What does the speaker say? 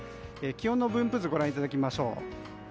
気温の分布図をご覧いただきましょう。